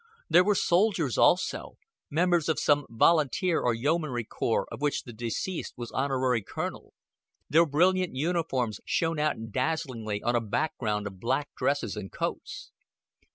There were soldiers also members of some volunteer or yeomanry corps of which the deceased was honorary colonel. Their brilliant uniforms shone out dazzlingly on a background of black dresses and coats.